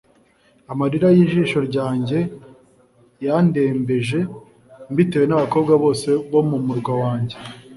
Amarira y’ijisho ryanjye yandembeje, Mbitewe n’abakobwa bose bo mu murwa wanjye.